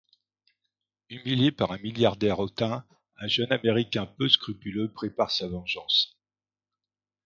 Humilié par un milliardaire hautain, un jeune Américain peu scrupuleux prépare sa vengeance.